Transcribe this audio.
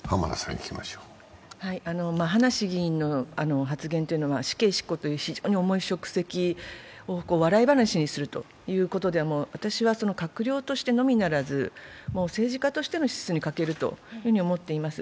葉梨議員の話というのは死刑執行という非常に重い職責を笑い話にするということで、私は閣僚としてのみならず政治家としての資質に欠けるというふうに思っています。